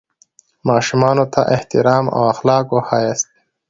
ماشومانو ته احترام او اخلاق وښیاست.